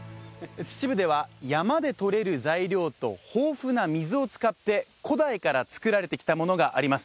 秩父では山でとれる材料と豊富な水を使って古代から作られてきたものがあります